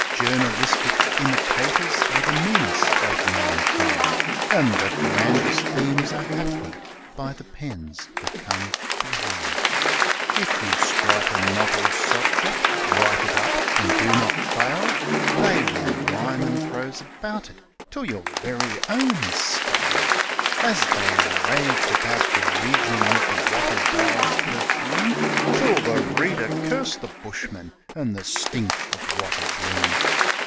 Journalistic imitators are the meanest of mankind ; And the grandest themes are hackneyed by the pens that come behind. THE MEN WHO COME BEHIND 213 If you strike a novel subject, write it up, and do not fail, They will rhyme and prose about it till your very own is stale, As they raved about the region that the wattle boughs perfume Till the reader cursed the bushman and the stink of wattle bloom.